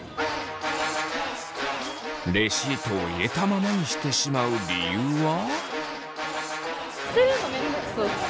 レシートを入れたままにしてしまう理由は。